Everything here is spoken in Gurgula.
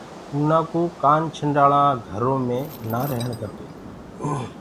اُنآ ڪوُ ڪآنڇنڊآݪآ ݪآ گھرو مي نآ رهيڻ کپي۔